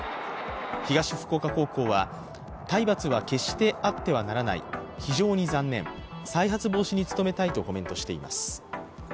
東福岡高校は、体罰は決してあってはならない、非常に残念、再発防止に務めたいとコメントしています。